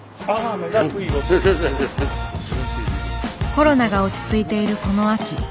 コロナが落ち着いているこの秋。